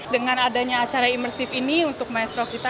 dengan adanya acara imersif ini untuk maestro kita